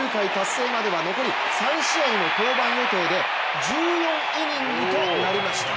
成までは残り３試合の登板予定で１４イニングとなりました。